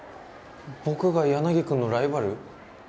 僕が柳くんのライバル？